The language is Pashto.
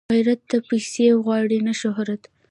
غیرت نه پیسې غواړي نه شهرت